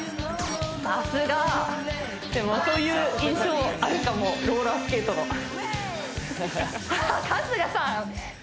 さすがでもそういう印象あるかもローラースケートの春日さん